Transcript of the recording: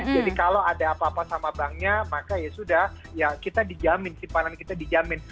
jadi kalau ada apa apa sama banknya maka ya sudah kita dijamin simpanan kita dijamin